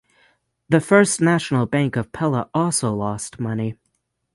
The First National Bank of Pella also lost money.